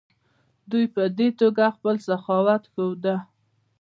دوی په دې توګه خپل سخاوت ښوده.